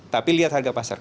tapi lihat harga pasarnya